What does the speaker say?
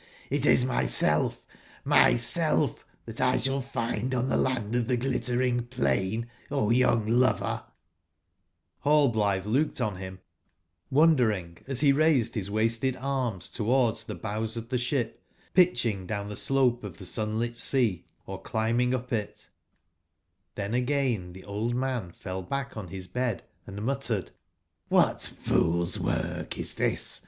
It is myself, )VIY SeLf that X shall find on the Land of the Glitter ing plain, O young lover T'j^ Hallblithc loohed on him wondering as he raised his wasted arms toward the bows of the ship pitchingdown the slope of the sunlit sea, or climbingupitXhen again the old man fell back on his bed <&muttered:'*CQhat fool's work is this!